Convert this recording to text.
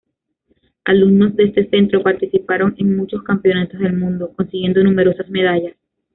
Alumnos de este centro participaron en muchos campeonatos del mundo, consiguiendo numerosas medallas.